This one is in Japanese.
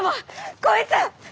こいつだ！